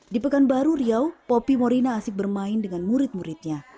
di pekan baru riau poppy morina asik bermain dengan murid muridnya